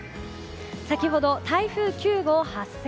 先ほど、台風９号発生。